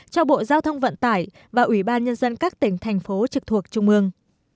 cho bộ giao thông vận tải và ủy ban nhân dân các tỉnh thành phố trực thuộc trung ương